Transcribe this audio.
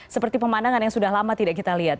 seperti pemandangan yang sudah lama tidak kita lihat